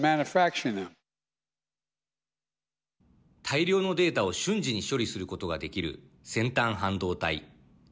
大量のデータを瞬時に処理することができる先端半導体。